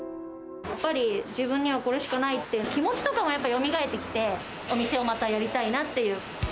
やっぱり自分にはこれしかないって、気持ちとかやっぱよみがえってきて、お店をまたやりたいなってい